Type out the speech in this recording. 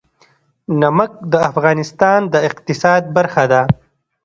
نمک د افغانستان د اقتصاد برخه ده.